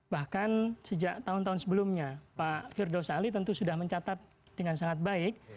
bahkan sejak tahun tahun sebelumnya pak firdaus ali tentu sudah mencatat dengan sangat baik